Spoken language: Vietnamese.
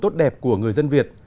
tốt đẹp của người dân việt